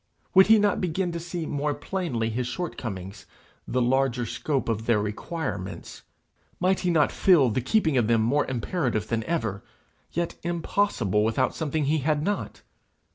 Would he not begin to see more plainly his shortcomings, the larger scope of their requirements? Might he not feel the keeping of them more imperative than ever, yet impossible without something he had not?